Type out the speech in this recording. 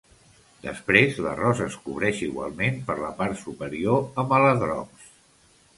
Després l'arròs es cobreix igualment per la part superior amb aladrocs.